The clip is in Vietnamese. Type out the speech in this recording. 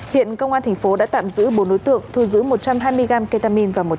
hiện công an tp đã tạm giữ bốn đối tượng thu giữ một trăm hai mươi gram ketamin và một trăm ba mươi chín viên thuốc lắc